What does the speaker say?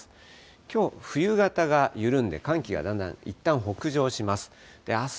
きょう、冬型が緩んで、寒気がだんだんいったん北上します。